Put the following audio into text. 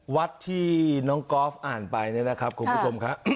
วัดที่น้องกอล์ฟอ่านไปเนี่ยนะครับคุณผู้ชมครับ